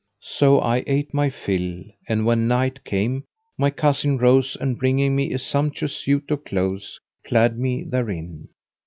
So I ate my fill and, when night came, my cousin rose and bringing me a sumptuous suit of clothes clad me therein.